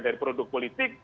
dari produk politik